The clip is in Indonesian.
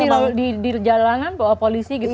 mungkin di jalanan polisi gitu